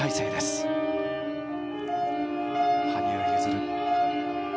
羽生結弦